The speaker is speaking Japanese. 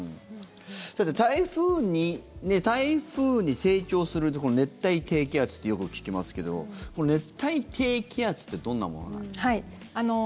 さて、台風に成長するこの熱帯低気圧ってよく聞きますけどこの熱帯低気圧ってどんなものなんですか？